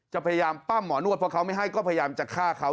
พยายามปั้มหมอนวดเพราะเขาไม่ให้ก็พยายามจะฆ่าเขา